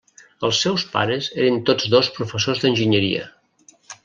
Els seus pares eren tots dos professors d'enginyeria.